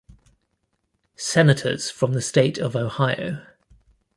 Senators from the state of Ohio.